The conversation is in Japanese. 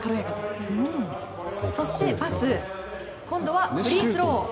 そしてパス今度はフリースロー。